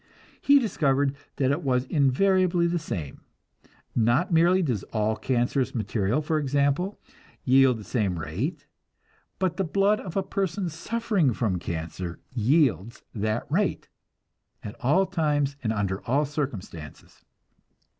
He discovered that it was invariably the same; not merely does all cancerous material, for example, yield the same rate, but the blood of a person suffering from cancer yields that rate, at all times and under all circumstances.